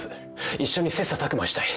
一緒に切磋琢磨したい。